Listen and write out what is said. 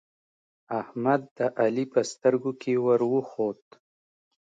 احمد د علی په سترګو کې ور وخوت